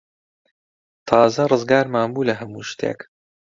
تازە ڕزگارمان بوو لە هەموو شتێک.